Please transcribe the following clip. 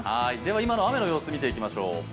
今の雨の様子を見ていきましょう。